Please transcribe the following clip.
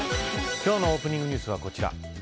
今日のオープニングニュースはこちら。